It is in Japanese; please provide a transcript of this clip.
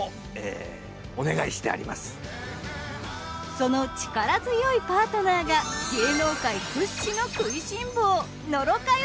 その力強いパートナーが芸能界屈指の食いしん坊。